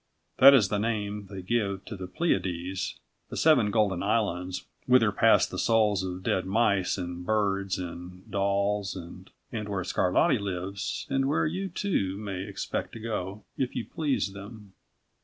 That is the name they give to the Pleiades the seven golden islands whither pass the souls of dead mice and birds and dolls and where Scarlatti lives and where you, too, may expect to go if you please them.